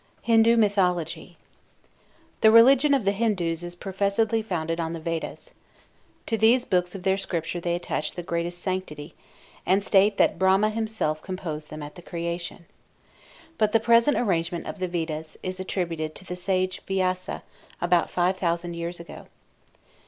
HINDU MYTHOLOGY The religion of the Hindus is professedly founded on the Vedas. To these books of their scripture they attach the greatest sanctity, and state that Brahma himself composed them at the creation. But the present arrangement of the Vedas is attributed to the sage Vyasa, about five thousand years ago.